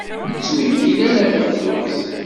Ur ttmeyyil ara taflukt.